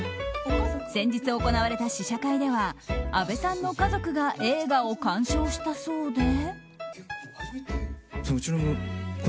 先日行われた試写会では阿部さんの家族が映画を鑑賞したそうで。